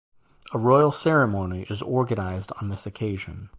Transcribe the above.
A royal ceremony is organized on this occasion.